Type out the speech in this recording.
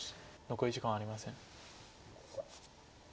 残り時間はありません。